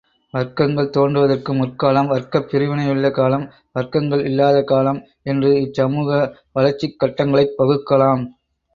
வர்க்கங்கள் தோன்றுவதற்கு முற்காலம், வர்க்கப் பிரிவினையுள்ள காலம், வர்க்கங்கள் இல்லாத காலம் என்று இச்சமூக வளர்ச்சிக் கட்டங்களைப் பகுக்கலாம்.